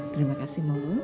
terima kasih monggu